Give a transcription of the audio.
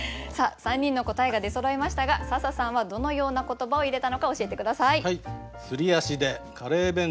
３人の答えが出そろいましたが笹さんはどのような言葉を入れたのか教えて下さい。